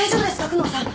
久能さん。